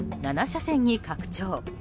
車線に拡張。